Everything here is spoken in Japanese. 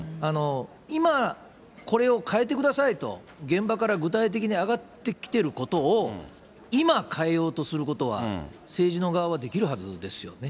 今、これを変えてくださいと、現場から具体的にあがってきていることを、今変えようとすることは、政治の側はできるはずですよね。